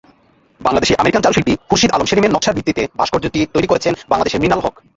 বাংলাদেশি-আমেরিকান চারুশিল্পী খুরশিদ আলম সেলিমের নকশার ভিত্তিতে ভাস্কর্যটি তৈরি করেছেন বাংলাদেশের মৃণাল হক।